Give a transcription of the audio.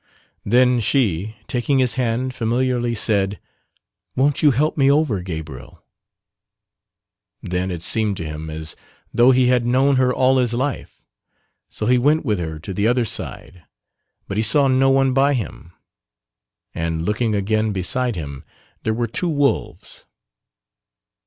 Then she, taking his hand, familiarly said, "Won't you help me over Gabriel?" Then it seemed to him as though he had known her all his life so he went with her to the "other side" but he saw no one by him; and looking again beside him there were two wolves.